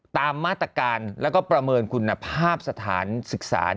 ตามมาตรการแล้วก็ประเมินคุณภาพสถานศึกษา